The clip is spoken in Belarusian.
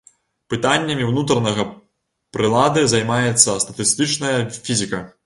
Пытаннямі ўнутранага прылады займаецца статыстычная фізіка.